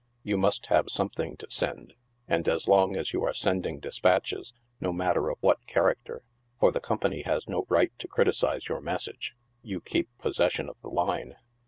You must have something to send ! and as long as you are sending despatches, no matter of what character — for the Company has no right to criticize your message — you keep possession of the line.